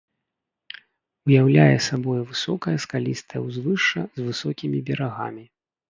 Уяўляе сабою высокае скалістае ўзвышша з высокімі берагамі.